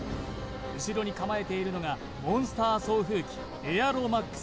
後ろに構えているのがモンスター送風機エアロ★ＭＡＸ